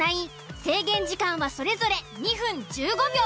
制限時間はそれぞれ２分１５秒。